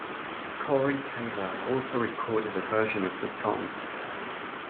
Corey Taylor also recorded a version of the song.